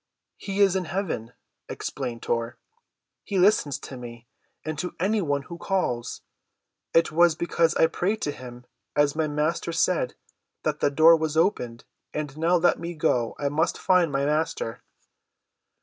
"He is in heaven," explained Tor. "He listens to me, and to any one who calls. It was because I prayed to him, as my Master said, that the door was opened. And now, let me go. I must find my Master."